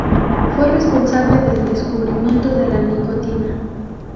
Fue responsable del descubrimiento de la nicotina.